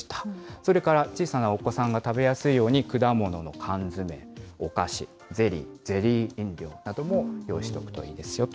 それから小さなお子さんが食べやすいように、果物の缶詰、お菓子、ゼリー、ゼリー飲料なども用意しておくといいですよと。